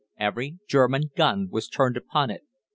Every German gun was turned upon it.